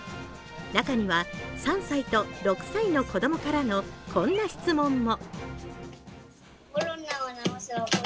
中には３歳と６歳の子供からのこんな質問も。